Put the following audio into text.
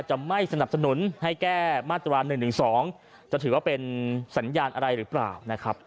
จะไม่สนับสนุนให้แก้มาตรา๑๑๒จะถือว่าเป็นสัญญาณอะไรหรือเปล่านะครับ